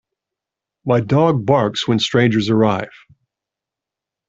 My dog barks when strangers arrive.